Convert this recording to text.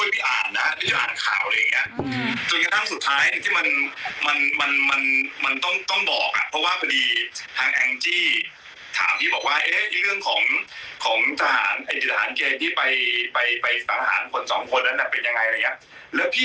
พี่หนุ่มพี่หนุ่มถ่ายวันจาน๓๐ไงวันจาน๒๘พี่หนุ่มถ่ายวันจาน๓๐ไงพี่หนุ่มถ่ายวันจาน๓๐ไง